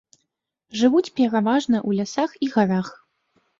Жывуць пераважна ў лясах і гарах.